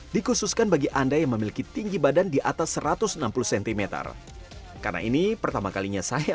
dikhususkan bagi anda yang memiliki tinggi badan di atas satu ratus enam puluh cm karena ini pertama kalinya saya